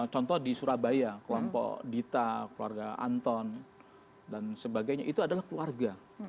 contoh di surabaya kelompok dita keluarga anton dan sebagainya itu adalah keluarga